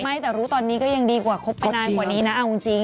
ไม่แต่รู้ตอนนี้ก็ยังดีกว่าคบไปนานกว่านี้นะเอาจริง